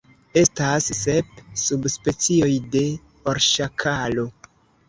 Estas sep subspecioj de orŝakalo.